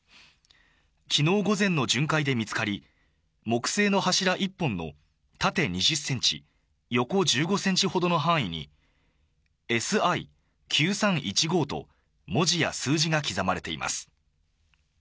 昨日午前の巡回で見つかり木製の柱１本の縦２０ｃｍ、横１５ｃｍほどの範囲に「ＳＩ」「９３１５」と文字や数字が刻まれています。